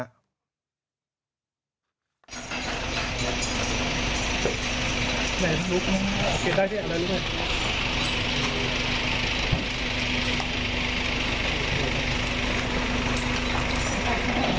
นี่นุ๊กเป็นได้ที่ไหนน่ะ